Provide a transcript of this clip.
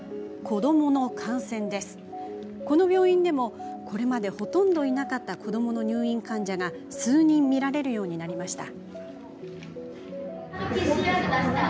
この病院でもこれまでほとんどいなかった子どもの入院患者が数人見られるようになりました。